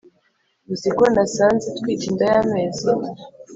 uziko nasanze atwite inda yamezi